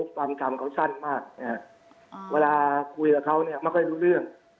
ความจำเขาสั้นมากเวลาคุยกับเขาเนี่ยไม่ค่อยรู้เรื่อง